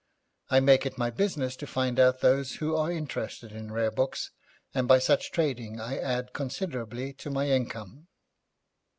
I make it my business to find out those who are interested in rare books, and by such trading I add considerably to my income.'